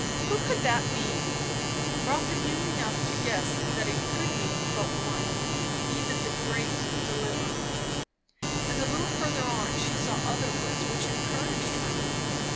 Who could that be? Rotha knew enough to guess that it could mean but one, even the great Deliverer. And a little further on she saw other words which encouraged her.